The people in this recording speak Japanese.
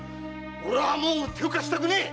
俺はもう手を貸したくない！〕